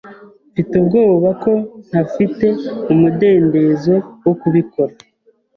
Mfite ubwoba ko ntafite umudendezo wo kubikora.